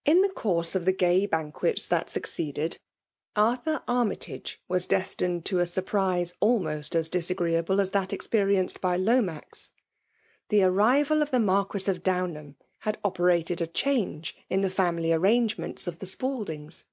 ^ T ' In the course of the gay banquets that aAc ceeded, Arthur Armytage was destined to ai surprise almost as ^agreeable as that elE|i^ rien^ by Lomaic The arrivlil of the. Mar^ quis of Downham had operated a diange tni the famSy arrangements of the Spaldiftgs.